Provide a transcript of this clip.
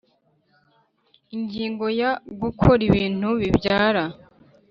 Ingingo ya Gukora ibintu bibyara